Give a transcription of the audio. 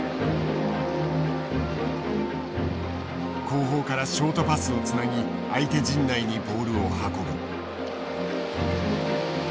後方からショートパスをつなぎ相手陣内にボールを運ぶ。